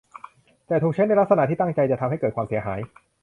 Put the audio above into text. แต่ถูกใช้ในลักษณะที่ตั้งใจจะทำให้เกิดความเสียหาย